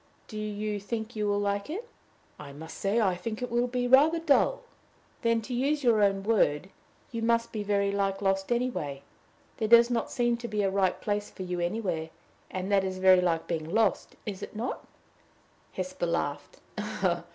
"Do you think you will like it?" "I must say, I think it will be rather dull." "Then, to use your own word, you must be very like lost anyway. There does not seem to be a right place for you anywhere, and that is very like being lost is it not?" Hesper laughed.